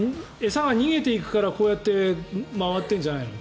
餌が逃げていくからこうやって回ってるんじゃないの？